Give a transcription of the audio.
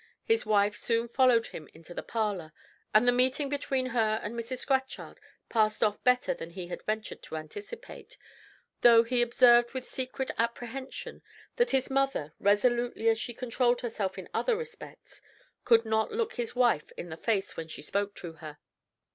His wife soon followed him into the parlor, and the meeting between her and Mrs. Scatchard passed off better than he had ventured to anticipate, though he observed with secret apprehension that his mother, resolutely as she controlled herself in other respects, could not look his wife in the face when she spoke to her.